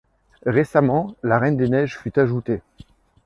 Récemment, La Reines des Neiges fut ajoutée.